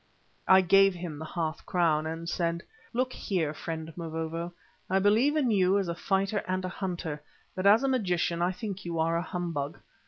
I gave him the half crown and said: "Look here, friend Mavovo, I believe in you as a fighter and a hunter, but as a magician I think you are a humbug.